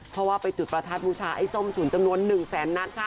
เพราะว่าไปจุดประทัดบูชาไอ้ส้มฉุนจำนวน๑แสนนัดค่ะ